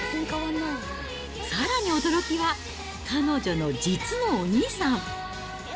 さらに驚きは、彼女の実のお兄さん。